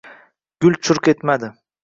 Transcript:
Gul churq etmadi.